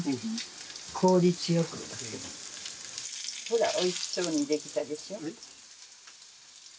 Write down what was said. ほらおいしそうに出来たでしょ。